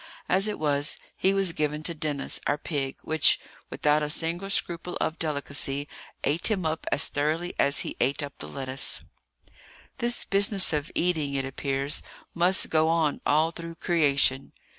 As it was, he was given to Denis, our pig, which, without a single scruple of delicacy, ate him up as thoroughly as he ate up the lettuce. This business of eating, it appears, must go on all through creation.